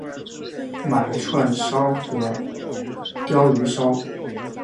买了串烧和鲷鱼烧